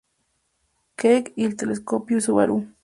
Keck y el Telescopio Subaru.